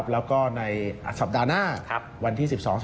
แล้วก็ในสัปดาห์หน้าวันที่๑๒